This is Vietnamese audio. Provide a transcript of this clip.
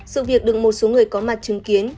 sự việc được một số người có mặt chứng kiến